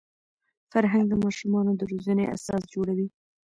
فرهنګ د ماشومانو د روزني اساس جوړوي.